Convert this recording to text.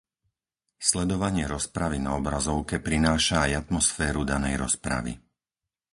Sledovanie rozpravy na obrazovke prináša aj atmosféru danej rozpravy.